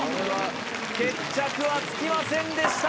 決着はつきませんでした